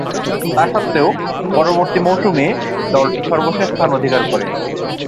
তাসত্ত্বেও, পরবর্তী মৌসুমে দলটি সর্বশেষ স্থান অধিকার করে।